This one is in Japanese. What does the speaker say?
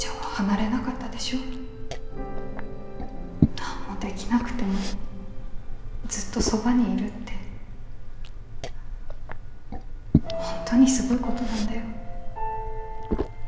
何もできなくてもずっとそばにいるって本当にすごいことなんだよ。